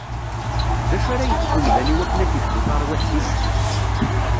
D acu ara yefk umdan iwakken ad d-ifdu tarwiḥt-is?